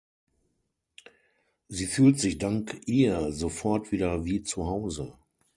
Sie fühlt sich dank ihr sofort wieder wie zu Hause.